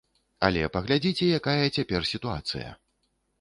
Але паглядзіце, якая цяпер сітуацыя.